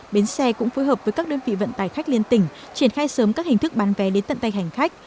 bến xe cũng phối hợp với các đơn vị vận tải khách liên tỉnh triển khai sớm các hình thức bán vé đến tận tay hành khách